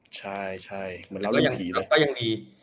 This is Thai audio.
ใช่เหมือนราวละทีเลย